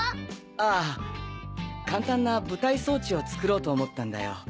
ああ簡単な舞台装置を作ろうと思ったんだよ。